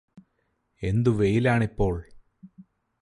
എന്തു വെയിലാണിപ്പോൾ